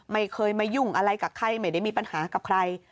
ไม่เคยมายุ่งอะไรกับใครไม่ได้มีปัญหากับใคร